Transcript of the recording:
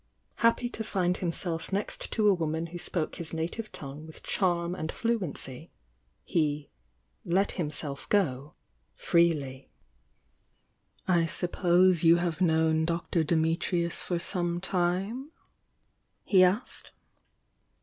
Happy to tind hunself next to a woman who spoke his native tongue with charm and fluency, he "let himself go" 144 THE YOUNG DIANA "I suppose you have known Dr. Dimitrius for some time?" he asked.